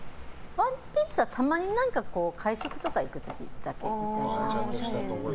ワンピースはたまに会食とか行く時だけ。